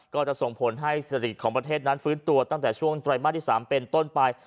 ก็จะส่งผลให้เศรษฐกิจของประเทศนั้นฟื้นตัวตั้งแต่ช่วงไตรมาสที่๓เป็นต้นไป